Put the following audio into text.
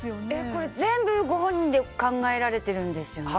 これ、全部ご本人で考えられてるんですよね。